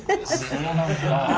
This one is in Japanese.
そうなんですか。